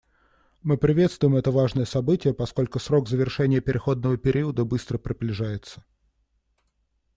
Мы приветствуем это важное событие, поскольку срок завершения переходного периода быстро приближается.